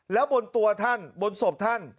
แล้วบนตัวท่านบนศพท่าน